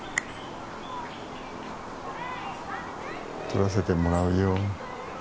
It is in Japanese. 撮らせてもらうよ。